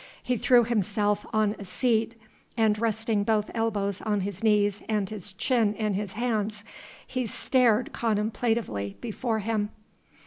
He threw himself on a seat, and resting both elbows on his knees and his chin in his hands, he stared contemplatively before him.